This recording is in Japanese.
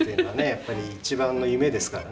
やっぱり一番の夢ですからね。